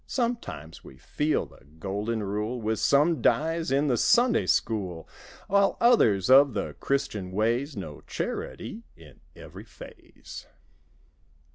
Sometimes we feel the Golden Rule With some dies in the Sunday School. While others of the Christian ways Know charity in every phase.